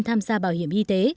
tham gia bảo hiểm y tế